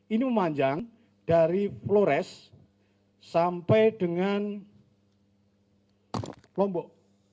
ini memanjang dari flores sampai dengan lombok